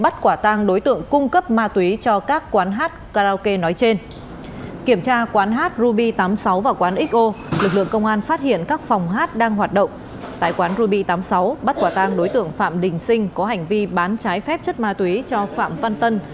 tại quán ruby tám mươi sáu bắt quả tang đối tượng phạm đình sinh có hành vi bán trái phép chất ma túy cho phạm văn tân